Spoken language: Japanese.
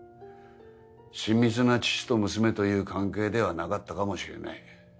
親密な父と娘という関係ではなかったかもしれない。